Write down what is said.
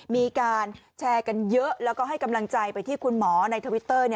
มีการแชร์กันเยอะแล้วก็ให้กำลังใจไปที่คุณหมอในทวิตเตอร์